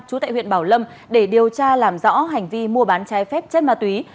chú tại huyện bảo lâm để điều tra làm rõ hành vi mua bán trái phép chất ma túy